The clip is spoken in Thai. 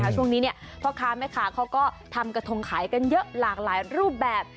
ช่วงนี้พ่อค้าแม่ค้าเขาก็ทำกระทงขายกันเยอะหลากหลายรูปแบบ